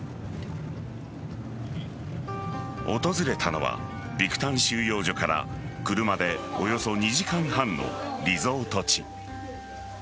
訪れたのは、ビクタン収容所から車でおよそ２時間半のリゾート地。